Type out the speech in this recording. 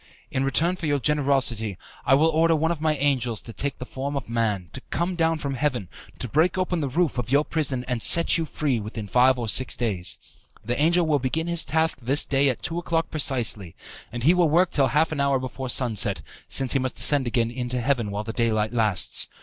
In return for your generosity, I will order one of my angels to take the form of man, to come down from heaven, to break open the roof of your prison, and set you free within five or six days. The angel will begin his task this day at two o'clock precisely, and he will work till half an hour before sunset, since he must ascend again into heaven while the daylight lasts.